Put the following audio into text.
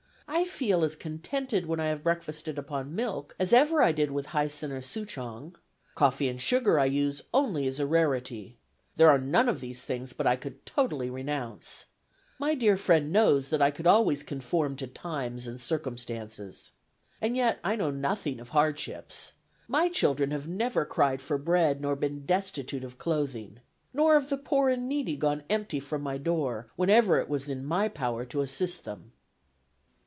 I feel as contented when I have breakfasted upon milk as ever I did with Hyson or Souchong. Coffee and sugar I use only as a rarity. There are none of these things but I could totally renounce. My dear friend knows that I could always conform to times and circumstances. As yet I know nothing of hardships. My children have never cried for bread nor been destitute of clothing. Nor have the poor and needy gone empty from my door, whenever it was in my power to assist them."